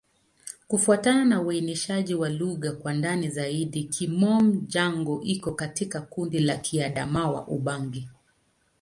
Kufuatana na uainishaji wa lugha kwa ndani zaidi, Kimom-Jango iko katika kundi la Kiadamawa-Ubangi.